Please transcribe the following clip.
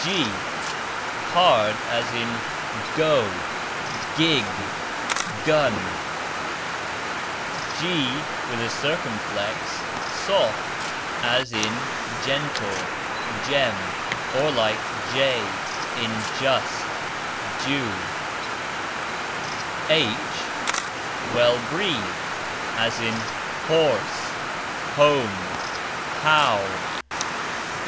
g hard, as in Go, GiG, Gun. gx soft, as in Gentle, Gem, or like J in Just, Jew. h well breathed, as in Horse, Home, How.